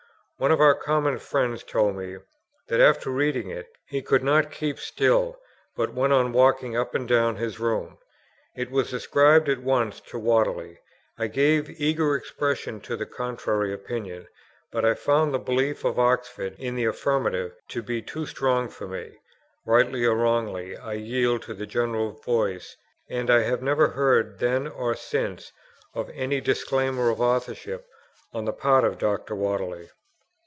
One of our common friends told me, that, after reading it, he could not keep still, but went on walking up and down his room. It was ascribed at once to Whately; I gave eager expression to the contrary opinion; but I found the belief of Oxford in the affirmative to be too strong for me; rightly or wrongly I yielded to the general voice; and I have never heard, then or since, of any disclaimer of authorship on the part of Dr. Whately.